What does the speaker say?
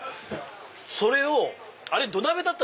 それをあれ土鍋だった。